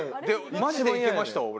マジでいけましたわ俺。